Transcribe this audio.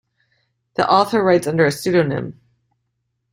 The author writes under a pseudonym.